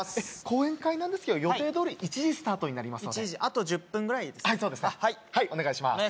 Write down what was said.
講演会なんですけど予定どおり１時スタートになりますので１時あと１０分ぐらいですね